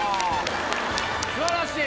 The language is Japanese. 素晴らしい。